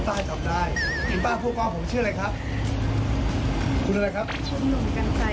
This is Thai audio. ต้ายพูดว่าผมชื่ออะไรครับคุณอะไรครับคุณหนุ่มกัญชัย